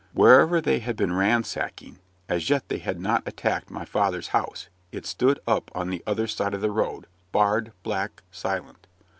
Wherever they had been ransacking, as yet they had not attacked my father's house; it stood up on the other side the road barred, black, silent.